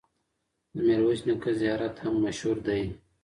د میرویس نیکه زیارت هم مشهور دی.